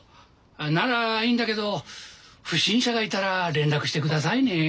ならいいんだけど不審者がいたら連絡してくださいね。